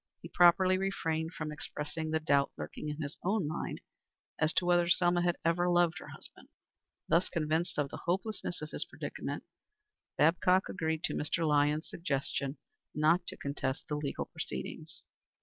He properly refrained from expressing the doubt lurking in his own mind as to whether Selma had ever loved her husband. Thus convinced of the hopelessness of his predicament, Babcock agreed to Mr. Lyons's suggestion not to contest the legal proceedings.